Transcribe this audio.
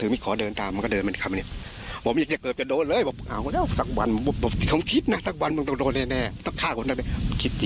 มันหลายเรื่องกี่ปีได้แล้วครับพฤติกรรมแบบนี้